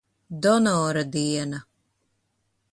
Donora diena.